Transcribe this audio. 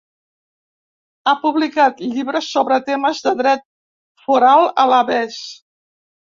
Ha publicat llibres sobre temes de dret foral alabès.